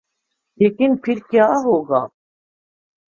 لیکن پھر کیا ہو گا؟